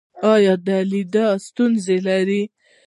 ایا د لیدلو ستونزه لرئ؟